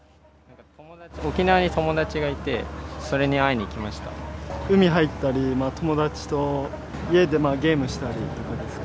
沖縄に友達がいて、海入ったり、友達と家でゲームしたりとかですか。